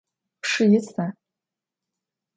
Pşşı yisa?